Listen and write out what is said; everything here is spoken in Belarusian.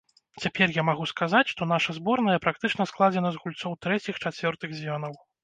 Цяпер я магу сказаць, што наша зборная практычна складзена з гульцоў трэціх-чацвёртых звёнаў.